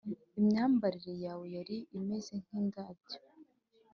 imyambarire yawe yari imeze nk'indabyo,